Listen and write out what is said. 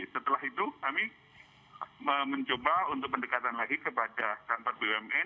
setelah itu kami mencoba untuk pendekatan lagi kepada kantor bumn